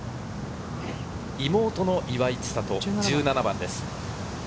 妹の岩井千怜、１７番です。